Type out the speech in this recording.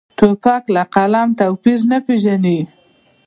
توپک له قلم توپیر نه پېژني.